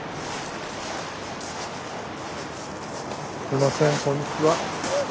すみませんこんにちは。